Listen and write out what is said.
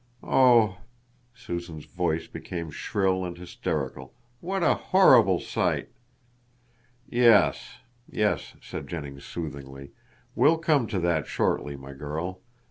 Oh," Susan's voice became shrill and hysterical, "what a horrible sight!" "Yes, yes," said Jennings soothingly, "we'll come to that shortly, my girl.